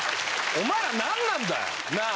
⁉お前ら何なんだよ！なぁ？